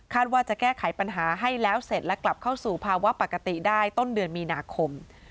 ว่าจะแก้ไขปัญหาให้แล้วเสร็จและกลับเข้าสู่ภาวะปกติได้ต้นเดือนมีนาคม